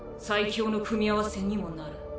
最強の組み合わせにもなる。